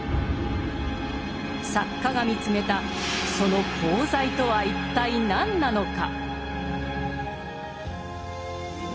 作家が見つめたその功罪とは一体何なのか。